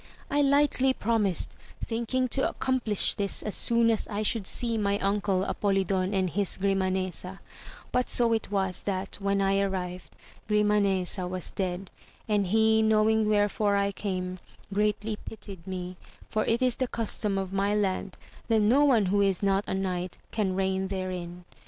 I lightly promised, thinking to accomplish this as soon as I should see my uncle Apolidon and his Gnmanesa ; but so it was, that, when I arrived, Grimanesa was dead, and he knowing wherefore I came, greatly pitied me, for it is the custom of my land that no one who is not a knight can reign therein.